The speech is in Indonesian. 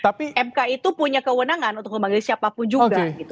mk itu punya kewenangan untuk memanggil siapapun juga gitu